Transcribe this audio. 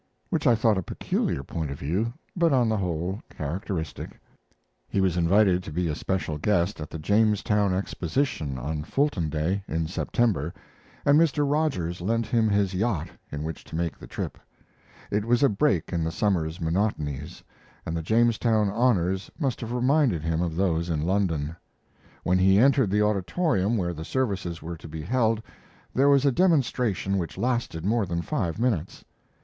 Which I thought a peculiar point of view, but on the whole characteristic. He was invited to be a special guest at the Jamestown Exposition on Fulton Day, in September, and Mr. Rogers lent him his yacht in which to make the trip. It was a break in the summer's monotonies, and the Jamestown honors must have reminded him of those in London. When he entered the auditorium where the services were to be held there was a demonstration which lasted more than five minutes.